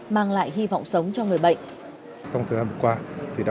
mang lại hy vọng sống cho người bệnh